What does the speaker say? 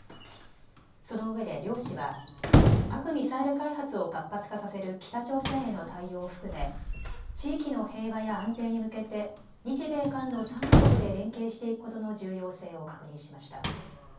そのうえで両氏は核・ミサイル開発を活発化させる北朝鮮への対応を含め地域の平和や安定に向けて日米韓の３か国で連携していくことの重要性を確認しました。